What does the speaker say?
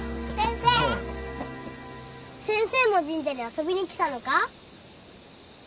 先生も神社に遊びに来たのか？